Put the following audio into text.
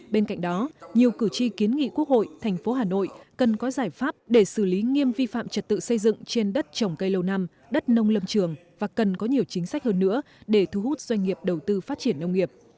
bên cạnh đó nhiều cử tri kiến nghị quốc hội thành phố hà nội cần có giải pháp để xử lý nghiêm vi phạm trật tự xây dựng trên đất trồng cây lâu năm đất nông lâm trường và cần có nhiều chính sách hơn nữa để thu hút doanh nghiệp đầu tư phát triển nông nghiệp